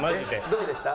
どうでした？